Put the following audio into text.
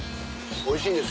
おいしいです。